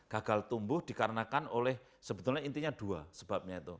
gagal tumbuh dikarenakan oleh sebetulnya intinya dua sebabnya itu